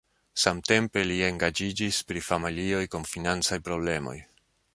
Samtempe li engaĝiĝis pri familioj kun financaj problemoj.